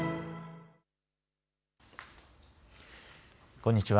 こんにちは。